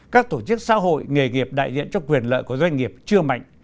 các tổ chức xã hội nghề nghiệp đại diện cho quyền lợi của doanh nghiệp chưa mạnh